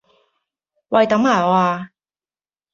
喂等埋我呀